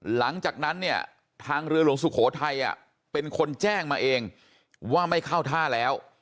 หลังจากนั้นเนี่ยทางเรือหลวงสุโขทัยเป็นคนแจ้งมาเองว่าไม่เข้าท่าแล้ว